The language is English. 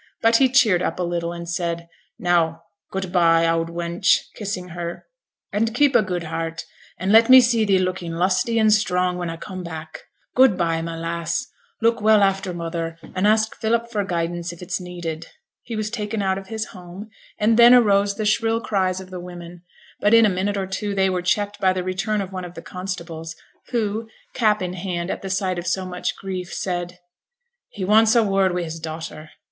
But he cheered up a little and said, 'Now, good by, oud wench' (kissing her), 'and keep a good heart, and let me see thee lookin' lusty and strong when a come back. Good by, my lass; look well after mother, and ask Philip for guidance if it's needed.' He was taken out of his home, and then arose the shrill cries of the women; but in a minute or two they were checked by the return of one of the constables, who, cap in hand at the sight of so much grief, said, 'He wants a word wi' his daughter.'